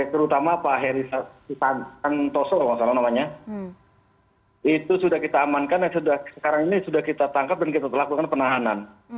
terutama pak heri santoso namanya itu sudah kita amankan dan sekarang ini sudah kita tangkap dan kita lakukan penahanan